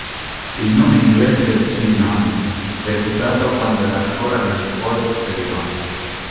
Il nome inglese Gillian le fu dato quando era ancora alle scuole superiori.